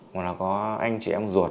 hoặc là có anh chị em ruột